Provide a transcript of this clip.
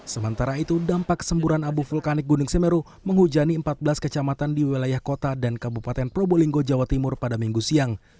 sementara itu dampak semburan abu vulkanik gunung semeru menghujani empat belas kecamatan di wilayah kota dan kabupaten probolinggo jawa timur pada minggu siang